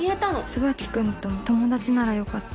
椿君と友達なら良かった。